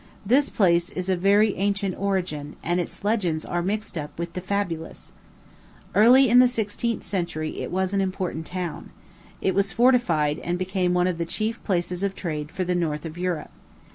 This place is of very ancient origin, and its legends are mixed up with the fabulous. Early in the sixteenth century it was an important town. It was fortified, and became one of the chief places of trade for the north of Europe.